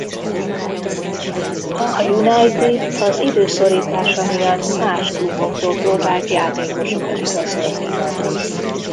A United az idő szorítása miatt más kluboktól próbált játékosokat igazolni.